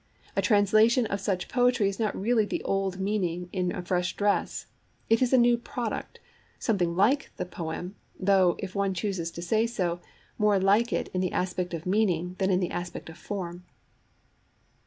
A translation of such poetry is not really the old meaning in a fresh dress; it is a new product, something like the poem, though, if one chooses to say so, more like it in the aspect of meaning than in the aspect of form.